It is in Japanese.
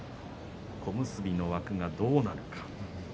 小結の枠がどうなるのか。